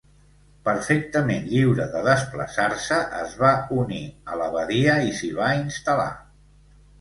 Perfectament lliure de desplaçar-se, es va unir a l'abadia i s'hi va instal·lar.